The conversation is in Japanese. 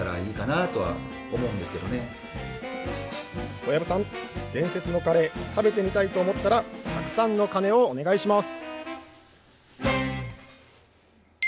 小籔さん、伝説のカレー食べてみたいと思ったらたくさんの鐘をお願いします。